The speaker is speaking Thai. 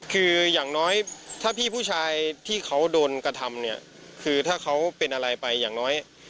คืออย่างน้อยถ้าพี่ผู้ชายที่เขาโดนกระทำเนี่ยคือถ้าเขาเป็นอะไรไปอย่างน้อย